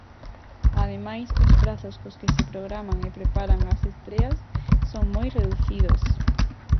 Ademais, os prazos cos que se programan e preparan as estreas son moi reducidos.